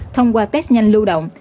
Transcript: thông qua test nhanh lưu động